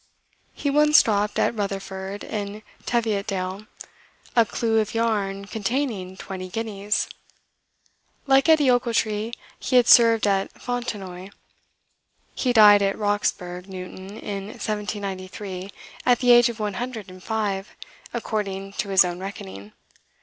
He once dropped at Rutherford, in Teviotdale, a clue of yarn containing twenty guineas. Like Edie Ochiltree, he had served at Fontenoy. He died at Roxburgh Newton in 1793, at the age of one hundred and five, according to his own reckoning.